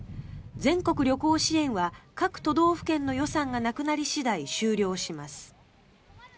全国旅行支援は各都道府県の予算がなくなり次第終了します。